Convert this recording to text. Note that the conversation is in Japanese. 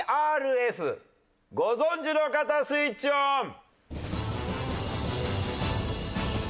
ＴＲＦご存じの方スイッチオン！